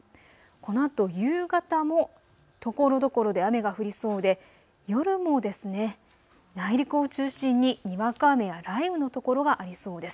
このあと夕方もところどころで雨が降りそうで夜も内陸を中心ににわか雨や雷雨の所がありそうです。